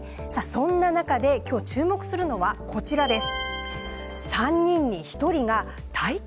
そんな中で今日注目する記事はこちらです。